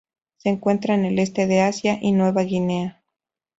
Se encuentra en el Este de Asia y Nueva Guinea.